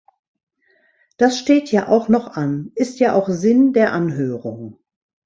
Das steht ja auch noch an, ist ja auch Sinn der Anhörung.